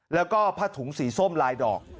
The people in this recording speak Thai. แล้วก็ผ้าถุงสีส้มลายดอก